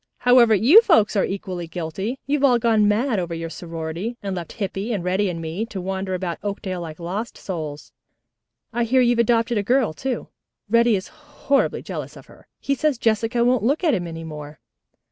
However, you folks are equally guilty, you've all gone mad over your sorority, and left Hippy and Reddy and me to wander about Oakdale like lost souls. I hear you've adopted a girl, too. Reddy is horribly jealous of her. He says Jessica won't look at him any more."